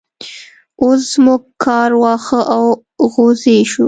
اوس موږ کار واښ او غوزی شو.